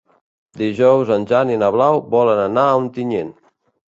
Dijous en Jan i na Blau volen anar a Ontinyent.